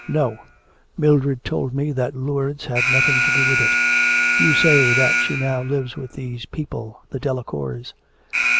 'No; Mildred told me that Lourdes had nothing to do with it.' 'You say that she now lives with these people, the Delacours.'